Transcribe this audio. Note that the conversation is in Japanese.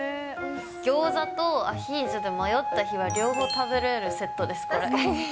ギョーザとアヒージョで迷った日は両方食べられるセットです、これ。